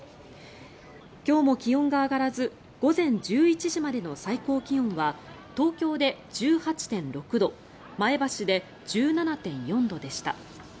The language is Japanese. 今日も気温が上がらず午前１１時までの最高気温は東京で１８．６度前橋で１７．４度でした。